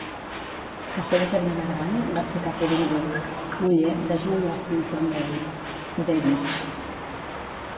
La seva germana gran va ser Katherine Weeks, muller de John Washington Davidge.